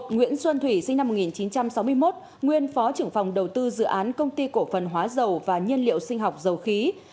nguyễn xuân thủy sinh năm một nghìn chín trăm sáu mươi một nguyên phó trưởng phòng đầu tư dự án công ty cổ phần hóa dầu và nhiên liệu sinh học dầu khí